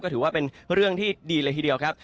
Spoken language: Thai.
ถือว่าเป็นเรื่องที่ดีเลยทีเดียวครับ